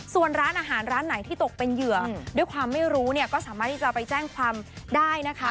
ส่วนร้านอาหารร้านไหนที่ตกเป็นเหยื่อด้วยความไม่รู้เนี่ยก็สามารถที่จะไปแจ้งความได้นะคะ